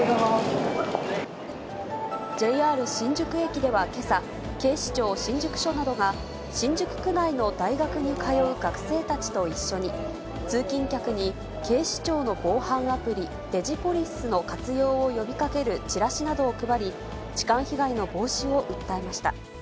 ＪＲ新宿駅ではけさ、警視庁新宿署などが、新宿区内の大学に通う学生たちと一緒に、通勤客に警視庁の防犯アプリ、デジポリスの活用を呼びかけるチラシなどを配り、痴漢被害の防止を訴えました。